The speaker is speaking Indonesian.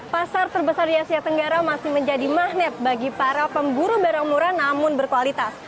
pasar terbesar di asia tenggara masih menjadi magnet bagi para pemburu barang murah namun berkualitas